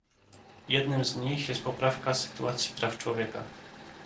Jednym z nich jest poprawa sytuacji praw człowieka